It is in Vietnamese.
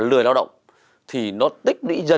lúc đó là đánh nhau không sao